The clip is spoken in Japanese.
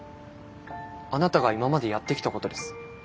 あなたが今までやってきたことです。